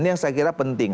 ini yang saya kira penting